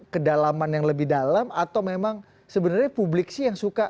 kedalaman yang lebih dalam atau memang sebenarnya publik sih yang suka